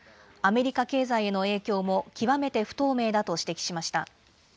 アメリカ経済への影響も極めて不透明だと指摘しました。